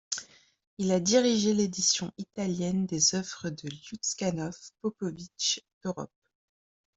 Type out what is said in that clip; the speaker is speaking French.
Il a dirigé l'édition italienne des œuvres de Lyudskanov, Popovic, Torop.